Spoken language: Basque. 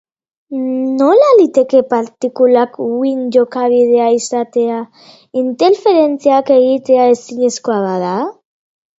Nola liteke partikulak uhin jokabidea izatea interferentziak egitea ezinezkoa bada?